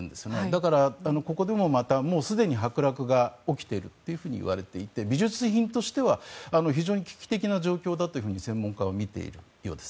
だから、ここでもまたもうすでに剥落が起きているといわれていて美術品としては非常に危機的な状況だと専門家は見ているようです。